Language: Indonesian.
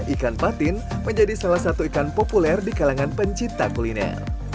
ikan patin menjadi salah satu ikan populer di kalangan pencipta kuliner